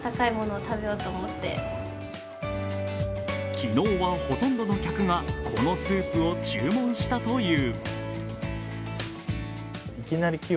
昨日は、ほとんどの客が、このスープを注文したという。